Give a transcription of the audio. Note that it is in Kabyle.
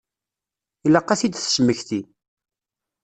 Ilaq ad t-id-tesmekti.